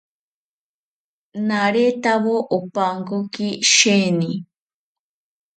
Naretawo opankoki sheeni